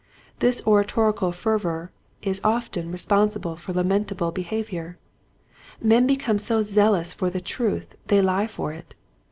This oratorical fervor is often responsible for lamentable behavior. Men become so zealous for the truth they lie for it.